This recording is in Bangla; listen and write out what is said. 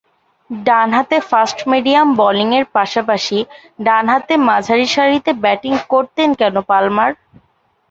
ডানহাতে ফাস্ট-মিডিয়াম বোলিংয়ের পাশাপাশি ডানহাতে মাঝারিসারিতে ব্যাটিং করতেন কেন পালমার।